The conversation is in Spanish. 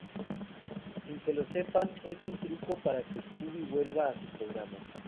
Sin que lo sepan, es un truco para que Scooby vuelva a su programa.